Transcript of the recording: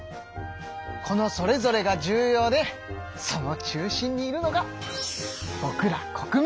このそれぞれが重要でその中心にいるのがぼくら国民。